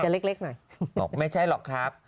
เล็กหน่อยบอกไม่ใช่หรอกครับ